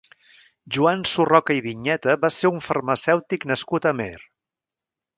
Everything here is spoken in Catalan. Joan Surroca i Viñeta va ser un farmacèutic nascut a Amer.